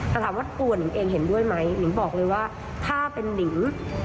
แต่ถามว่าตัวหนิงเองเห็นด้วยไหมหนิงบอกเลยว่าถ้าเป็นนิง